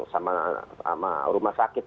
sama rumah sakit